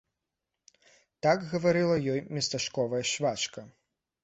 Так гаварыла ёй местачковая швачка.